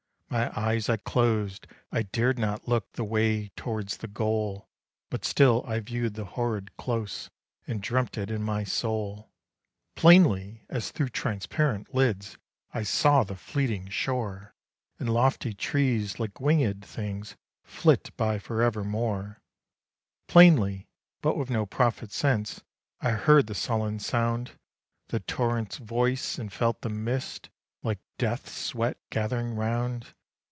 My eyes I closed I dared not look the way towards the goal; But still I viewed the horrid close, and dreamt it in my soul. Plainly, as through transparent lids, I saw the fleeting shore! And lofty trees, like wingèd things, flit by for evermore; Plainly but with no prophet sense I heard the sullen sound, The torrent's voice and felt the mist, like death sweat gathering round.